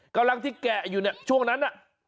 กำลังที่แกะอยู่เนี่ยช่วงนั้นน่ะ